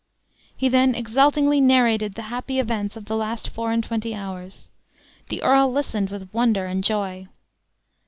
He then exultingly narrated the happy events of the last four and twenty hours. The earl listened with wonder and joy.